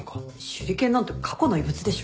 手裏剣なんて過去の遺物でしょ。